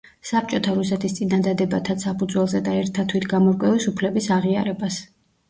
საბჭოთა რუსეთის წინადადებათა საფუძველზე და ერთა თვითგამორკვევის უფლების აღიარებას.